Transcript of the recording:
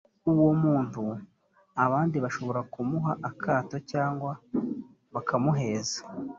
uwo muntu abandi bashobora kumuha akato cyangwa bakamuheza